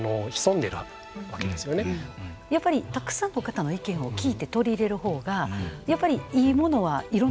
やっぱりたくさんの方の意見を聞いて取り入れる方がやっぱりいいものはいろんな意見